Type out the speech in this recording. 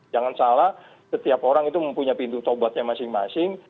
jangan salah setiap orang itu mempunyai pintu tobatnya masing masing